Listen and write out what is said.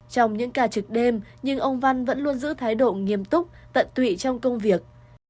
trong những ca trực đêm nhưng ông văn vẫn luôn giữ thái độ nghiêm túc tận tụy trong công việc